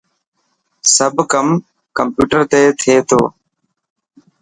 سب ڪم ڪمپيوٽر تي ٿي تو.